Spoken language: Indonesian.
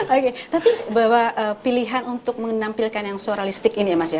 oke tapi bahwa pilihan untuk menampilkan yang suaralistik ini ya mas ya